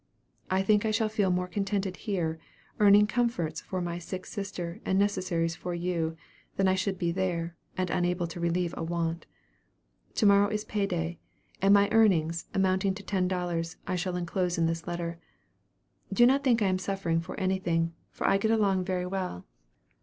I think I shall feel more contented here, earning comforts for my sick sister and necessaries for you, than I should be there, and unable to relieve a want. 'To morrow is pay day,' and my earnings, amounting to ten dollars, I shall enclose in this letter. Do not think I am suffering for anything, for I get a long very well.